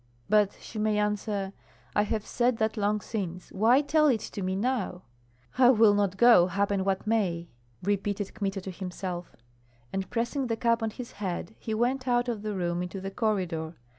But she may answer: "I have said that long since; why tell it to me now?" "I will not go, happen what may!" repeated Kmita to himself. And pressing the cap on his head, he went out of the room into the corridor.